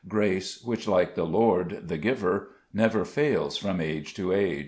Grace, which, like the Lord the Giver, Never fails from age to age.